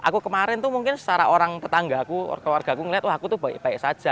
aku kemarin tuh mungkin secara orang tetangga aku keluarga aku ngeliat wah aku tuh baik baik saja